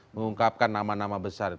mengungkapkan nama nama besar